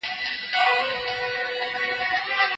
ډنډ اوبه د ملاریا سبب ګرځي.